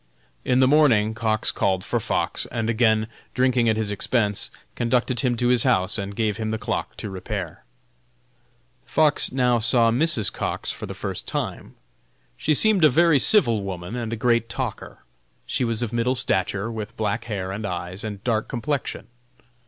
In the morning Cox called for Fox, and again drinking at his expense, conducted him to his house and gave him the clock to repair. Fox now saw Mrs. Cox for the first time. She seemed a very civil woman and a great talker. She was of middle stature, with black hair and eyes, and dark complexion.